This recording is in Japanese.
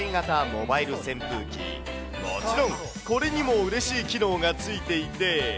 もちろんこれにもうれしい機能がついていて。